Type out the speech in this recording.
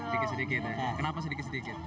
sedikit sedikit kenapa sedikit sedikit